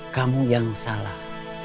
kamu yang salah